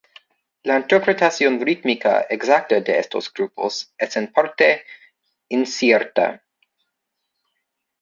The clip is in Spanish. La interpretación rítmica exacta de estos grupos es en parte incierta.